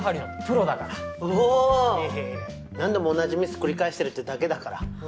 何度も同じミス繰り返してるってだけだから。